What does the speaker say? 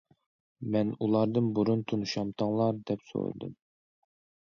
مەن ئۇلاردىن: بۇرۇن تونۇشامتىڭلار؟، دەپ سورىدىم.